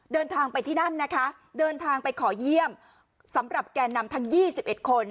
เดินทางไปที่นั่นนะคะเดินทางไปขอเยี่ยมสำหรับแก่นำทั้ง๒๑คน